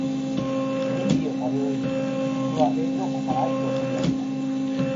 おにぎりを食べ終えると、僕は冷凍庫からアイスを取り出した。